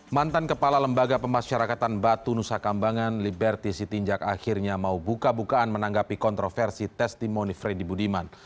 mantan kepala lembaga pemasyarakatan batu nusa kambangan liberty sitinjak akhirnya mau buka bukaan menanggapi kontroversi testimoni freddy budiman